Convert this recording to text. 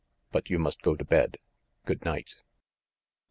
But you must go to bed. Good night."